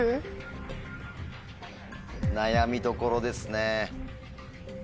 悩みどころですね。